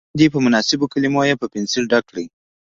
تش ځایونه دې په مناسبو کلمو په پنسل ډک کړي.